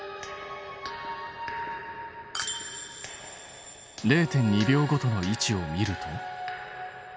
０．２秒ごとの位置を見ると。